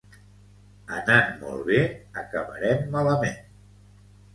Anant molt bé, acabarem malament